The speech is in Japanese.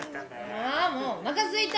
あもうおなかすいた！